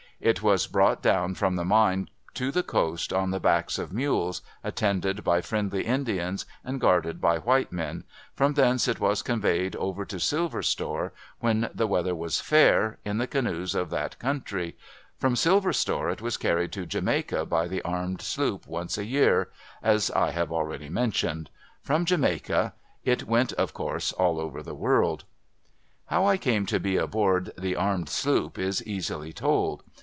It was brought down from the mine to the coast on the backs of mules, attended by friendly Indians and guarded by white men ; from thence it was conveyed over to Silver Store, when the weather was fair, in the canoes of that country ; from Silver Store, it was carried to Jamaica by the armed sloop once a year, as I have already mentioned ; from Jamaica, it went, of course, all over the world. How I came to be aboard the armed sloop, is easily told.